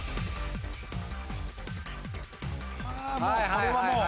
これはもう。